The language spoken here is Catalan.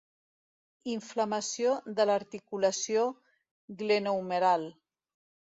Inflamació de l'articulació glenohumeral.